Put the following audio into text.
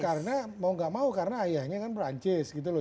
karena mau gak mau karena ayahnya kan prancis gitu loh